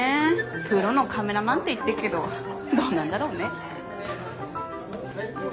プロのカメラマンって言ってっけどどうなんだろうね？